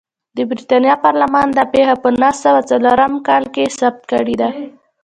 د برېټانیا پارلمان دا پېښه په نهه سوه څلورم کال کې ثبت کړې ده.